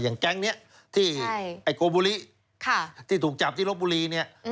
แก๊งนี้ที่ไอ้โกบุริที่ถูกจับที่ลบบุรีเนี่ย